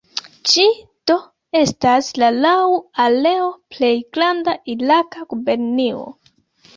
Ĝi do estas la laŭ areo plej granda iraka gubernio.